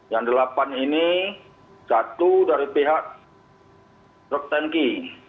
yang delapan ini satu dari pihak truk tanki